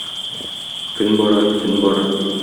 Көн бара, төн бара.